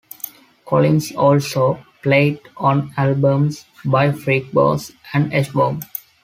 Collins also played on albums by Freekbass and H-Bomb.